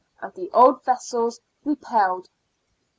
And the old vessels repelled."